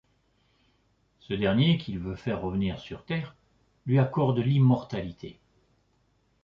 Ce dernier, qu'il veut faire revenir sur Terre, lui accorde l'immortalité.